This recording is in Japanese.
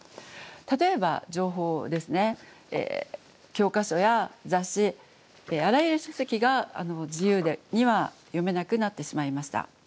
教科書や雑誌あらゆる書籍が自由には読めなくなってしまいました。